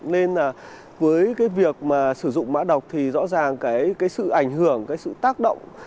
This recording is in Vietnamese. nên với việc sử dụng mã độc thì rõ ràng sự ảnh hưởng sự tác động